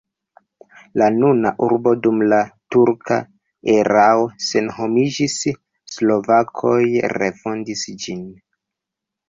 La nuna urbo dum la turka erao senhomiĝis, slovakoj refondis ĝin.